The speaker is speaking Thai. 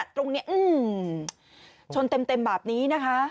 ตรงนี้ชนเต็มแบบนี้นะคะ